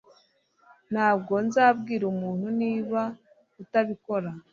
Ntabwo nzabwira umuntu niba utabikora